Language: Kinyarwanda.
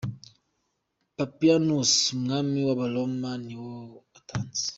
Pupienus, umwami w’abaroma nibwo yatanze.